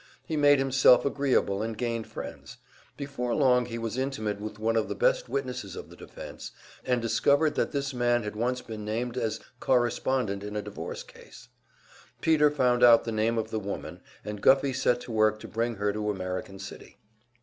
He made himself agreeable and gained friends; before long he was intimate with one of the best witnesses of the defense, and discovered that this man had once been named as co respondent in a divorce case. Peter found out the name of the woman, and Guffey set to work to bring her to American City.